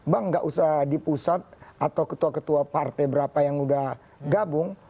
bang gak usah di pusat atau ketua ketua partai berapa yang udah gabung